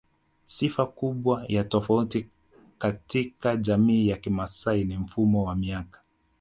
Sifa kubwa ya tofauti katika Jamii ya kimaasai ni mfumo wa miaka